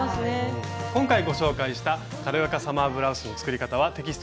今回ご紹介した軽やかサマーブラウスの作り方はテキストに掲載されています。